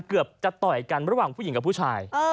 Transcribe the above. เกือบจะต่อยกันระหว่างผู้หญิงกับผู้ชาย